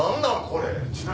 これ。